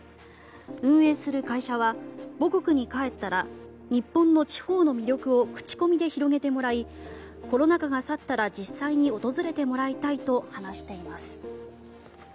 運営する会社は母国に帰ったら日本の地方の魅力を口コミで広めてもらいコロナ禍が去ったら実際に訪れてもらいたいと話しています。